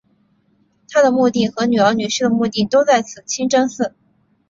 她的墓地和女儿女婿的墓地都在此清真寺。